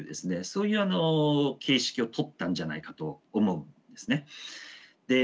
そういう形式をとったんじゃないかと思うんですね。